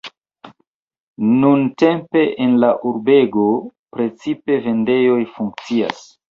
Nuntempe en la urbego precipe vendejoj funkcias.